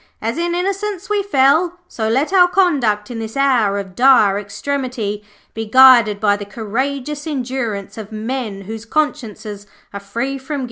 As in innocence we fell, so let our conduct in this hour of dire extremity be guided by the courageous endurance of men whose consciences are free from guilt.'